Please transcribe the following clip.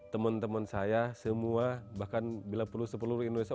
teman teman saya semua bahkan bila perlu sepeluruh indonesia